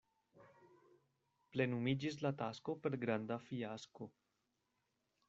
Plenumiĝis la tasko per granda fiasko.